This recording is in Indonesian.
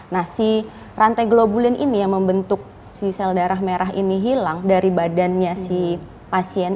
nah si rantai globulin ini yang membentuk si sel darah merah ini hilang dari badannya si pasien